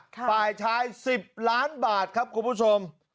ฝ่ายชาย๑๐ล้านบาทครับคุณผู้ชม